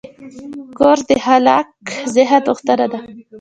کورس د خلاق ذهن غوښتنه ده.